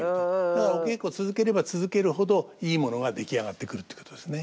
だからお稽古を続ければ続けるほどいいものが出来上がってくるってことですね。